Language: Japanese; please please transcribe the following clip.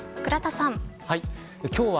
倉田さん。